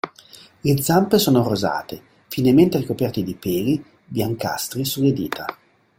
Le zampe sono rosate, finemente ricoperte di peli, biancastri sulle dita.